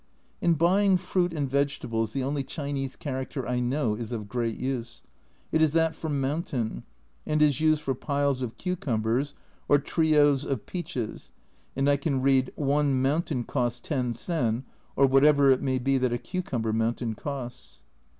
In buying fruit and vegetables the only Chinese character I know is of great use, it is that for " Mountain," and is used for piles of cucumbers or trios of peaches, and I can read "one mountain cost 10 sen," or whatever it may be that a cucumber mountain costs.